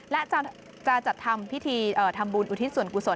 และจะจัดทำพิธีทำบุญอุทิศส่วนกุศล